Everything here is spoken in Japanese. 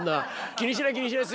気にしない気にしない。